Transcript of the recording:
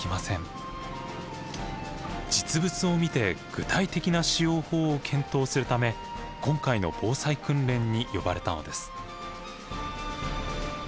実物を見て具体的な使用法を検討するため今回の防災訓練に呼ばれたのです。